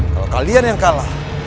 kalau kalian yang kalah